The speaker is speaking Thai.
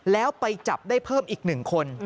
แล้วไปจับได้เพิ่มอีก๑คน